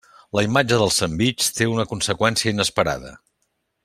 La imatge del sandvitx té una conseqüència inesperada.